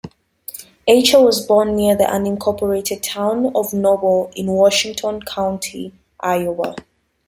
Eicher was born near the unincorporated town of Noble in Washington County, Iowa.